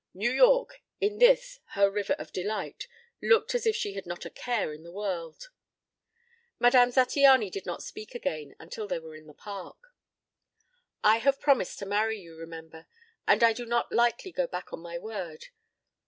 New York, in this, her River of Delight, looked as if she had not a care in the world. Madame Zattiany did not speak again until they were in the Park. "I have promised to marry you, remember; and I do not lightly go back on my word.